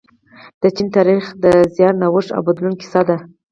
د چین تاریخ د زیار، نوښت او بدلون کیسه ده.